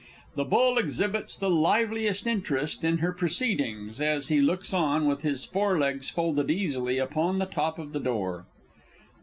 The Bull exhibits the liveliest interest in her proceedings, as he looks on, with his forelegs folded easily upon the top of the door.